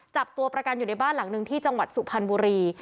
จับตัวประกันอยู่ในบ้านหลังหนึ่งที่จังหวัดสุพรรณบุรี